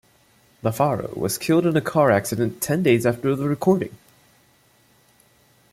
LaFaro was killed in a car accident ten days after the recording.